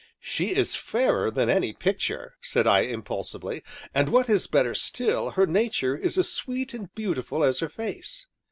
"She is fairer than any picture," said I impulsively, "and what is better still, her nature is as sweet and beautiful as her face!"